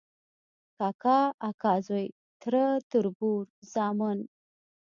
کاکا، اکا زوی ، تره، تربور، زامن ،